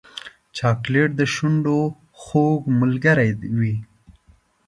چاکلېټ د شونډو خوږ ملګری وي.